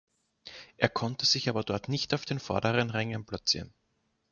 Er konnte sich aber dort nicht auf den vorderen Rängen platzieren.